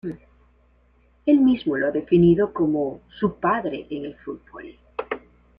Él mismo lo ha definido como "su padre en el fútbol".